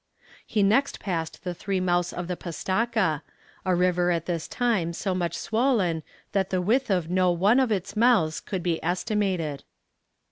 He next passed the three mouths of the Pastaca, a river at this time so much swollen that the width of no one of its mouths could be estimated.